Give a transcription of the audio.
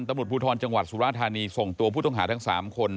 ตำรวดพูทรจังหวัดสุรราณทรรณีส่งตัวผู้ต้องหาทั้งสามคน